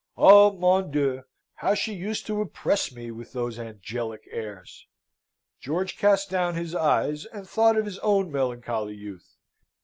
Ah, mon Dieu! how she used to oppress me with those angelical airs!" George cast down his eyes, and thought of his own melancholy youth.